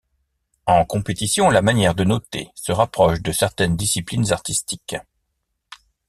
En compétition, la manière de noter se rapproche de certaines disciplines artistiques.